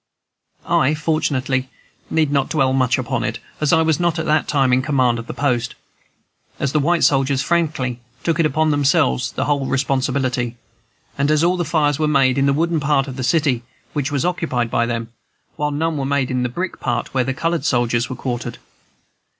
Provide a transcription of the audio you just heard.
I fortunately need not dwell much upon it, as I was not at the time in command of the post, as the white soldiers frankly took upon themselves the whole responsibility, and as all the fires were made in the wooden part of the city, which was occupied by them, while none were made in the brick part, where the colored soldiers were quartered.